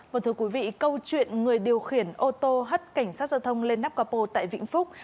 một thưa quý vị câu chuyện người điều khiển ô tô hất cảnh sát giao thông lên nắp cà pô tại vĩnh phúc